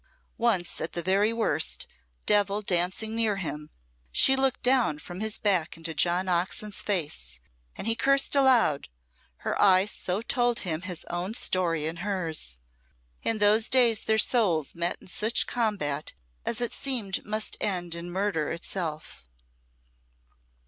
Once at the very worst, Devil dancing near him, she looked down from his back into John Oxon's face, and he cursed aloud, her eye so told him his own story and hers. In those days their souls met in such combat as it seemed must end in murder itself.